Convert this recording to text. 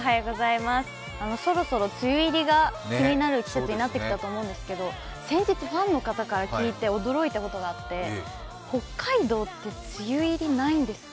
そろそろ梅雨入りが気になる季節になってきたと思うんですけど先日、ファンの方から聞いて驚いたことがあって北海道って梅雨入り、ないんですか？